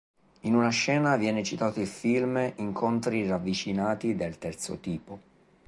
In una scena viene citato il film "Incontri ravvicinati del terzo tipo".